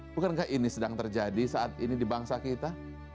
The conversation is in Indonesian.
bukankah ini sedang terjadi saat ini di bangsa kita